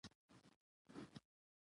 ماشومان باید له کوچنیوالي ادبیات زده کړي.